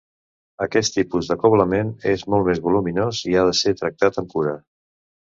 Aquest tipus d'acoblament és molt més voluminós i ha de ser tractat amb cura.